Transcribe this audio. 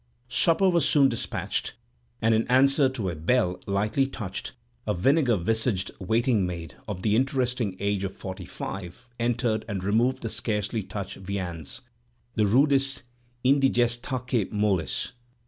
Supper was soon despatched, and in answer to a bell, lightly touched, a vinegar visaged waiting maid, of the interesting age of forty five, entered and removed the scarcely touched viands—the rudis indigestaque moles.